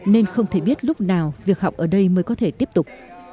nên không thể biết lúc nào việc học ở đây mới có thể tiếp tục